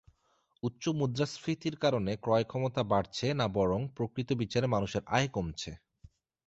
উচ্চ মুদ্রাস্ফীতির কারণে ক্রয়ক্ষমতা বাড়ছে না বরং প্রকৃত বিচারে মানুষের আয় কমছে।